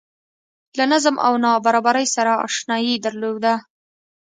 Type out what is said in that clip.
له نظم او نابرابرۍ سره اشنايي درلوده